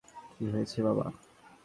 কী হয়েছে বাবা?